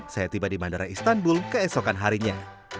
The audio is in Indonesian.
saya tiba di bandara istanbul keesokan harinya